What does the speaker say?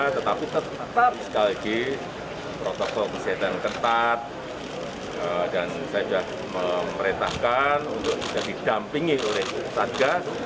tetapi tetap sekali lagi protokol kesehatan ketat dan saya sudah memerintahkan untuk sudah didampingi oleh satgas